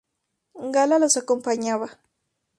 Gala los acompañaba.